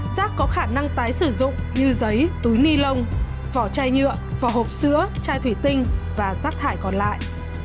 rác có khả năng tái sử dụng như giấy túi ni lông vỏ chai nhựa vỏ hộp sữa chai thủy tinh và rác thải còn lại